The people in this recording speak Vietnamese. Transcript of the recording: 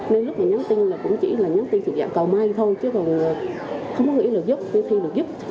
nên lúc này nhắn tin cũng chỉ là nhắn tin dự dạng cầu mai thôi chứ không có nghĩa là giúp thi là giúp